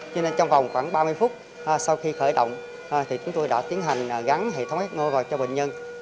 cho nên trong vòng khoảng ba mươi phút sau khi khởi động thì chúng tôi đã tiến hành gắn hệ thống sô vào cho bệnh nhân